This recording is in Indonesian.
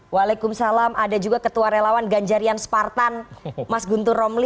waalaikumsalam ada juga ketua relawan ganjarian spartan mas guntur romli